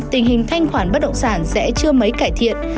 tình hình thanh khoản bất động sản sẽ chưa mấy cải thiện